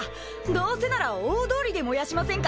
どうせなら大通りで燃やしませんか？